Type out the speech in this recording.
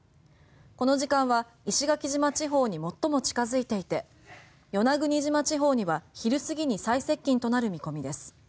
この時間は石垣島地方に最も近づいていて与那国島地方には昼過ぎに最接近となる見込みです。